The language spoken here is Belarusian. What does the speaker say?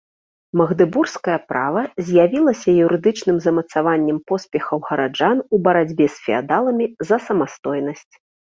Магдэбургскае права з'явілася юрыдычным замацаваннем поспехаў гараджан у барацьбе з феадаламі за самастойнасць.